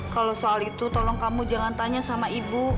kalau soal itu tolong kamu jangan tanya sama ibu